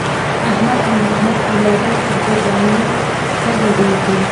د احمد او محمود اولادونه پر بېګانو نه ګډېږي.